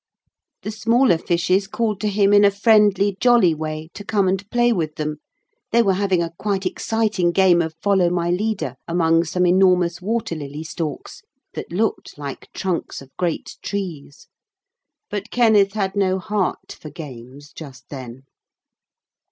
The smaller fishes called to him in a friendly jolly way to come and play with them they were having a quite exciting game of follow my leader among some enormous water lily stalks that looked like trunks of great trees. But Kenneth had no heart for games just then.